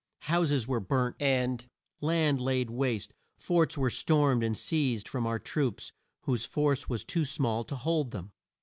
Houses were burnt and land laid waste, forts were stormed and seized from our troops whose force was too small to hold them.